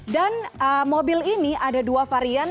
mobil ini ada dua varian